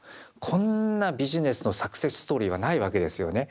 こんなビジネスのサクセスストーリーはないわけですよね。